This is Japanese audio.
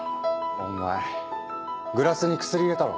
お前グラスに薬入れたろ。